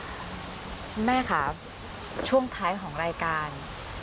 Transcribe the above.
คุณแม่ค่ะช่วงท้ายของรายการ